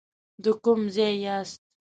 د کوم ځای یاست.